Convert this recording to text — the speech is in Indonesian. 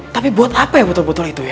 tapi buat apa botol botol itu ya